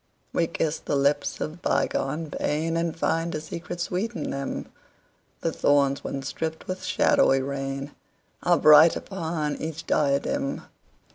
We kiss the lips of bygone painAnd find a secret sweet in them:The thorns once dripped with shadowy rainAre bright upon each diadem.